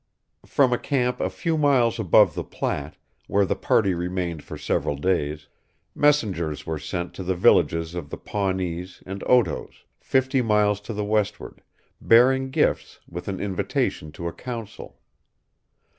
From a camp a few miles above the Platte, where the party remained for several days, messengers were sent to the villages of the Pawnees and Otoes, fifty miles to the westward, bearing gifts, with an invitation to a council.